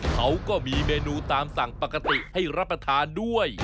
เขาก็มีเมนูตามสั่งปกติให้รับประทานด้วย